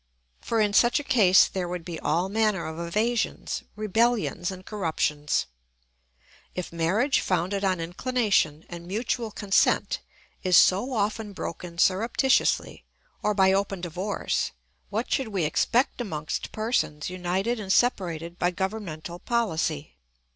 For in such a case there would be all manner of evasions, rebellions, and corruptions. If marriage founded on inclination and mutual consent is so often broken surreptitiously or by open divorce, what should we expect amongst persons united and separated by governmental policy?